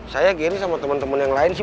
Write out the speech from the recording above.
saya gini sama temen temen yang lain sih